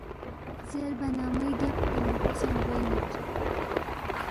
زیربا نہ موے گیب پِنگ نُو کھو سہ گوین یودسُوک